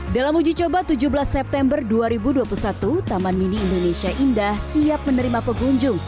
dalam uji coba tujuh belas september dua ribu dua puluh satu taman mini indonesia indah siap menerima pengunjung